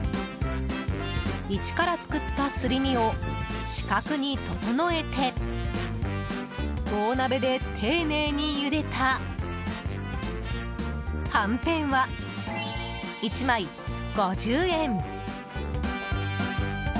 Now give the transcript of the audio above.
一から作ったすり身を四角に整えて大鍋で丁寧にゆでた、はんぺんは１枚５０円。